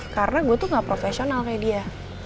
karena gue tuh gak profesional kayak dia